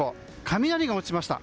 雷が落ちました。